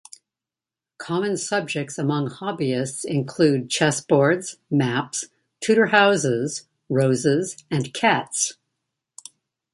Common subjects among hobbyists include chessboards, maps, Tudor houses, roses and cats.